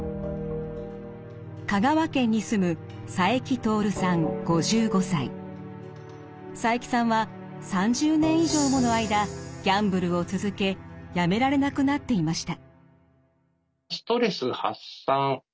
香川県に住む佐伯さんは３０年以上もの間ギャンブルを続けやめられなくなっていました。